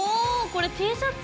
これＴシャツ？